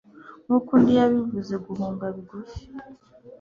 Nkuko undi yabivuze guhunga bigufi